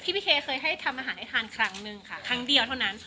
พี่เคเคยให้ทำอาหารให้ทานครั้งหนึ่งค่ะครั้งเดียวเท่านั้น